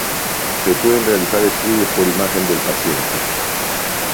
Se pueden realizar estudios por imagen del paciente.